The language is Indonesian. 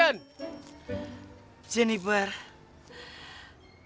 aku tetap mencintai kamu